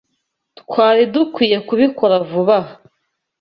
Twari dukwiye kubikora vuba aha.